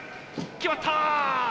決まった！